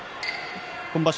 今場所